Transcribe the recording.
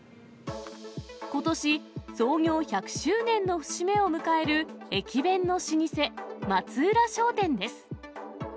ことし、創業１００周年の節目を迎える駅弁の老舗、松浦商店です。